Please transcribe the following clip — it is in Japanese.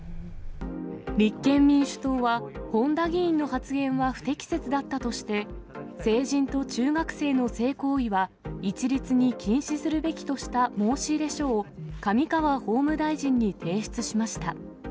立憲民主党は本多議員の発言は不適切だったとして、成人と中学生の性行為は一律に禁止するべきとした申し入れ書を、上川法務大臣に提出しました。